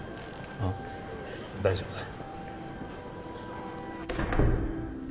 ああ大丈夫だよ